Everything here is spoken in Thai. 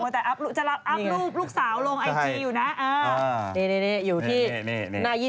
แต่จะรับอัพรูปลูกสาวลงไอจีอยู่นะอยู่ที่หน้า๒๐